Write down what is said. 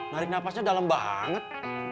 narik nafasnya dalem banget